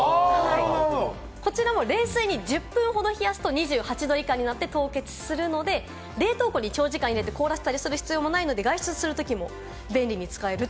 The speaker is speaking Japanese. こちらも冷水に１０分ほど冷やすと２８度以下になって凍結するので、冷凍庫に長時間入れて凍らせる必要もないので、外出するときも便利に使えると。